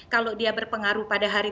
kalau dia berpengaruh pada hari